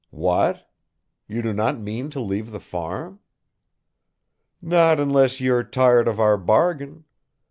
"What? You do not mean to leave the farm?" "Not unless you're tired of our bargain.